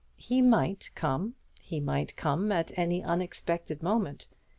He might come, he might come at any unexpected moment.